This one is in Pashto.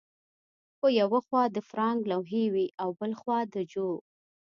په یوه خوا د فرانک لوحې وې او بل خوا د جو